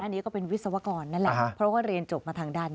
อันนี้ก็เป็นวิศวกรนั่นแหละเพราะว่าเรียนจบมาทางด้านนี้